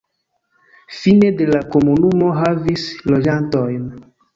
Fine de la komunumo havis loĝantojn..